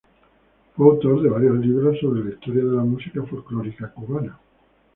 Fue autor de varios libros sobre la historia de la música folclórica cubana.